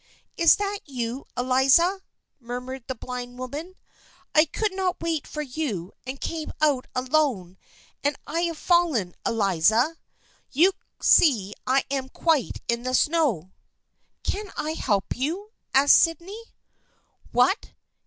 "Is that you, Eliza?" murmured the blind woman. " I could not wait for you and came out alone, and I have fallen, Eliza. You see I am quite in the snow." " Can I help you? " asked Sydney. " What